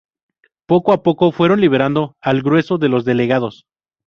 Poco a poco fueron liberando al grueso de los delegados.